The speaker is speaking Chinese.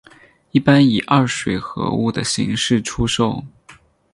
一般以二水合物的形式出售。